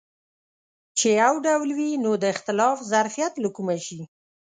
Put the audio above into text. چې یو ډول وي نو د اختلاف ظرفیت له کومه شي.